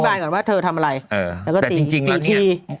แล้วก็ตีที